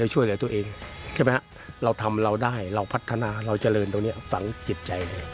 ใช่ไหมฮะเราทำเราได้เราพัฒนาเราเจริญตรงนี้ฝังจิตใจเลย